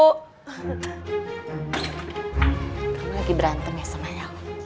kamu lagi berantem ya sama el